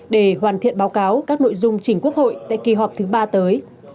để hoàn thiện báo cáo các nội dung chỉnh quốc hội tại kỳ họp thứ ba tới